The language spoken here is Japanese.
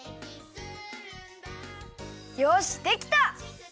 よしできた！